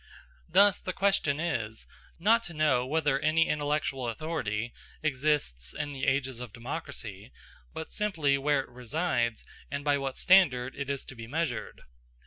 Thus the question is, not to know whether any intellectual authority exists in the ages of democracy, but simply where it resides and by what standard it is to be measured.